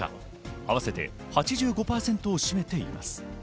合わせて８５％を占めています。